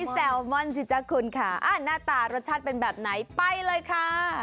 แซลมอนค่ะหน้าตารสัชัสเป็นแบบไหนไปเลยค่ะ